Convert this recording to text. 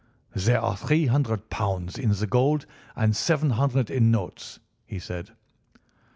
"There are three hundred pounds in gold and seven hundred in notes," he said.